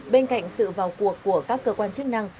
bên cạnh sự vào cuộc của các cơ quan chức năng